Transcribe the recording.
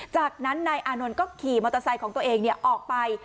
จากนั้นนายอานนท์ก็ขี่มอเตอร์ไซค์ของตัวเองออกไป